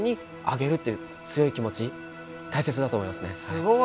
すごい！